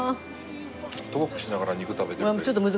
トークしながら肉食べてるって。